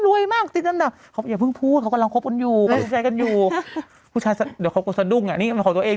เดี๋ยวเขาก็จะดุ้งกัน